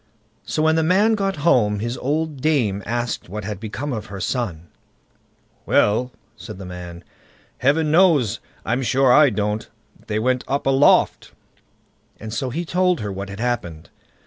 So when the man got home, his old dame asked what had become of her son. "Well", said the man, "Heaven knows, I'm sure I don't. They went up aloft"; and so he told her what had happened.